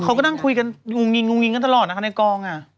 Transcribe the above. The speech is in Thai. เขาก็นั่งคุยกันงุงงิงกันตลอดนะคะในกอง